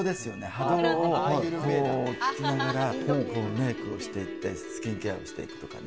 波動を聴きながらメイクをしていて、スキンケアをしていくとかね。